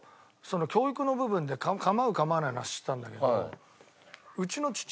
教育の部分で構う構わないの話してたんだけど。